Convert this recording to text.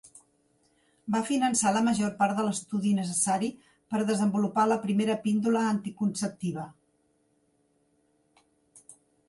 Va finançar la major part de l'estudi necessari per desenvolupar la primera píndola anticonceptiva.